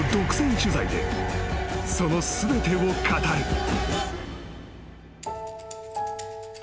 ［その全てを語る］